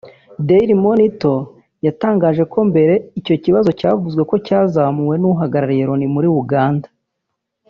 Daily Monitor yatangaje mbere icyo kibazo yavzue ko cyazamuwe n’Uhagarariye Loni muri Uganda